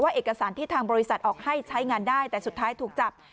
เอกสารที่ทางบริษัทออกให้ใช้งานได้แต่สุดท้ายถูกจับ